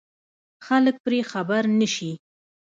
خلک پرې خبر نه شي.